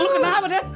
lo kenapa dad